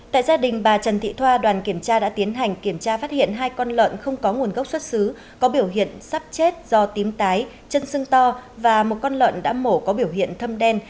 tại gia đình bà trần thị thoa đoàn kiểm tra đã tiến hành kiểm tra phát hiện hai con lợn không có nguồn gốc xuất xứ có biểu hiện sắp chết do tím tái chân sưng to và một con lợn đã mổ có biểu hiện thâm đen